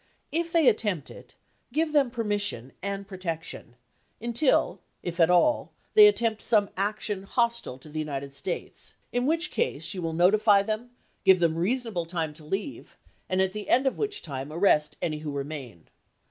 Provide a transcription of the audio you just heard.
If they attempt it, give them permission and protection, until, if at all, they attempt some action hostile to the United States, in which case you will notify them, give p. 521. LINCOLN IN RICHMOND 223 them reasonable time to leave, and at the end of which chap. xi. time arrest any who remain.